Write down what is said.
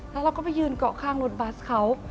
แล้วเราก็ไปยืนเกาะข้างรถบัสเขา